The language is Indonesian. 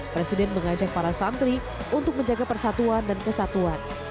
presiden mengajak para santri untuk menjaga persatuan dan kesatuan